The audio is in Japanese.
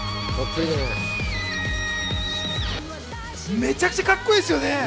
めちゃくちゃカッコいいですよね。